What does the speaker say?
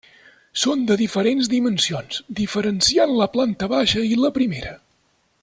Són de diferents dimensions, diferenciant la planta baixa i la primera.